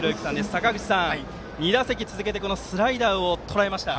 坂口さん、２打席続けてスライダーをとらえましたが。